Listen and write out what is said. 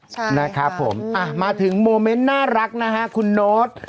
ใช่นะครับผมอ่ะมาถึงโมเมนต์น่ารักนะฮะคุณโน๊ต